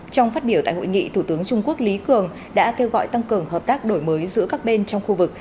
trong phát biểu tại hội nghị thủ tướng trung quốc lý cường đã kêu gọi tăng cường hợp tác đổi mới giữa các bên trong khu vực